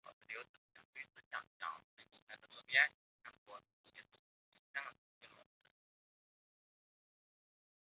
他所颁布的宗教判决准许由穆斯林执行。